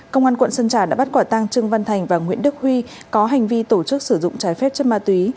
công an quận sơn trà đã bắt quả tăng trương văn thành và nguyễn đức huy có hành vi tổ chức sử dụng trái phép chất ma túy